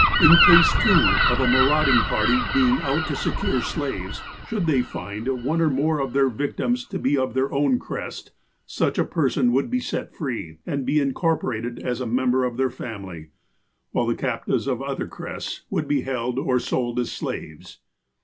In case, too, of a marauding party being out to secure slaves, should they find one or more of their victims to be of their own crest, such a person would be set free, and be incorporated as a member of their family ; while the captives of other crests would be held or sold as slaves.